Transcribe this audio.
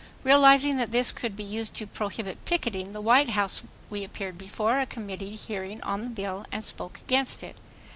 Realizing that this could be used to prohibit picketing the White House we appeared before a committee hearing on the bill and spoke against it.